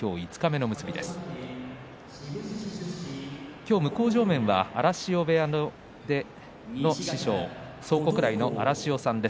今日、向正面は荒汐部屋の師匠、蒼国来の荒汐さんです。